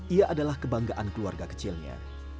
ia adalah kebanggaan keluarga kecilnya